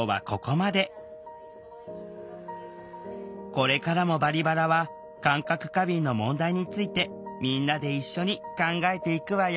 これからも「バリバラ」は感覚過敏の問題についてみんなで一緒に考えていくわよ